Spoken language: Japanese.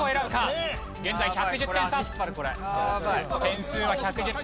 点数は１１０点差。